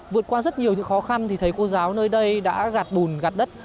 vượt qua rất nhiều những khó khăn thì thấy cô giáo nơi đây đã gạt bùn gạt đất